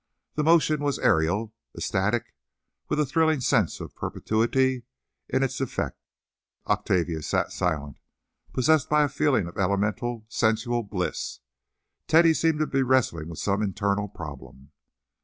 The motion was aërial, ecstatic, with a thrilling sense of perpetuity in its effect. Octavia sat silent, possessed by a feeling of elemental, sensual bliss. Teddy seemed to be wrestling with some internal problem.